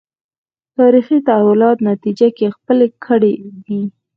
تاریخي تحولاتو نتیجه کې خپلې کړې دي